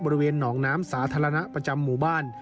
บริเวณหนองน้ำสาธารณะประจำหมู่บ้าน